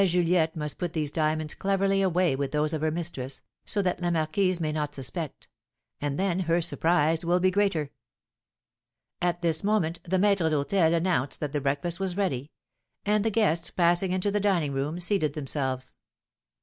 Juliette must put these diamonds cleverly away with those of her mistress, so that la marquise may not suspect; and then her surprise will be the greater." At this moment the maître d'hôtel announced that the breakfast was ready; and the guests, passing into the dining room, seated themselves.